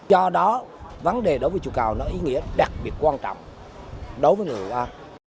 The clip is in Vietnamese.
do đó vấn đề đối với chùa cầu nó ý nghĩa đặc biệt quan trọng đối với người hội an